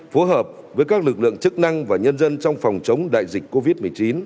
phối hợp với các lực lượng chức năng và nhân dân trong phòng chống đại dịch covid một mươi chín